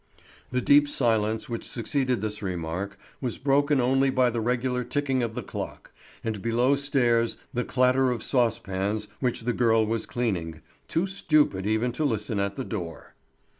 The deep silence which succeeded this remark was broken only by the regular ticking of the clock, and below stairs the clatter of saucepans which the girl was cleaning—too stupid even to listen at the door.